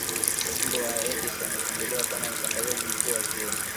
Mbu wa Aedes ametambuliwa kama msambazaji mkuu wa viini